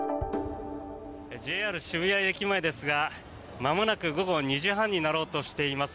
ＪＲ渋谷駅前ですがまもなく午後２時半になろうとしています。